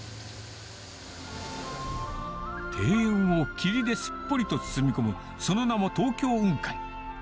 庭園を霧ですっぽりと包み込む、その名も東京雲海。